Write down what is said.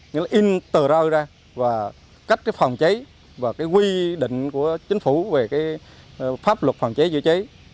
nó in tờ rao ra và cách phòng chế và quy định của chính phủ về pháp luật phòng chế dự chế